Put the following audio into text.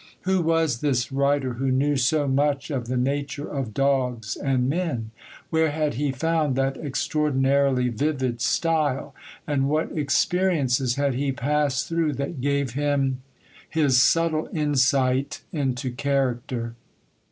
Who was this writer who knew so much of the nature of dogs and men? Where had he found that extraordinarily vivid style, and what experiences had he passed through that gave him his subtle insight into character?